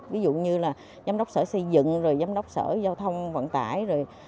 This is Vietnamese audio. ví dụ như là giám đốc sở xây dựng giám đốc sở giao thông vận tải